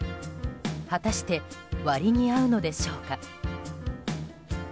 果たして割に合うのでしょうか。